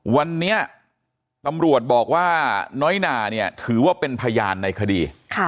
วันนี้ตำรวจบอกว่าน้อยหนาเนี่ยถือว่าเป็นพยานในคดี